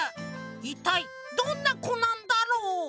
いったいどんなこなんだろう？